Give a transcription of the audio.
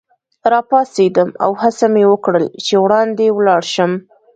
راپاڅېدم او هڅه مې وکړل چي وړاندي ولاړ شم.